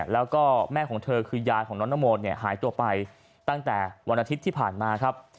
แล้วก็แม่ของเธอคือยายของน้องนโมเนี่ยหายตัวไปตั้งแต่วันอาทิตย์ที่ผ่านมาครับ